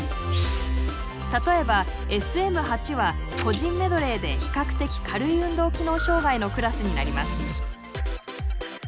例えばＳＭ８は個人メドレーで比較的軽い運動機能障害のクラスになります。